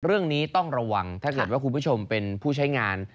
เรื่องนี้ต้องระวังถ้าเกิดว่าคุณผู้ชมเป็นผู้ใช้งาน